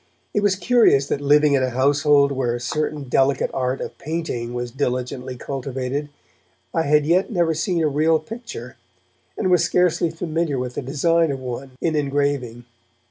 It was curious that living in a household where a certain delicate art of painting was diligently cultivated, I had yet never seen a real picture, and was scarcely familiar with the design of one in engraving.